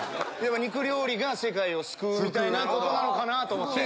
肉料理が世界を救うみたいなことなのかなと思って。